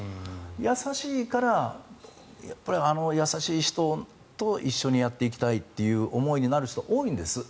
優しいからあの優しい人と一緒にやっていきたいっていう思いになる人が多いんです。